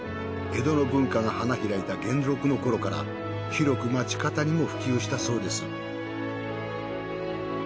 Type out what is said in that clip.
江戸の文化が花開いた元禄の頃から広く町方にも普及したそうです。